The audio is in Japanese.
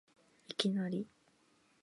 いきなり